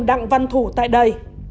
đặng văn thủ tại đây